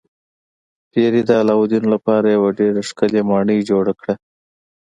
پیري د علاوالدین لپاره یوه ډیره ښکلې ماڼۍ جوړه کړه.